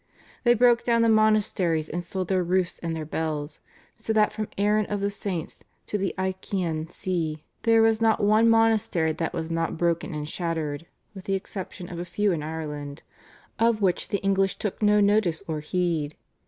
They broke down the monasteries and sold their roofs and their bells, so that from Aran of the Saints to the Iccian See there was not one monastery that was not broken and shattered, with the exception of a few in Ireland, of which the English took no notice or heed.